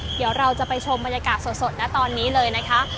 เดี๋ยวเราจะไปชมบรรยากาศสดนะตอนนี้เลยนะคะ